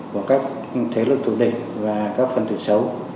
của các thế lực thủ địch và các phần tử xấu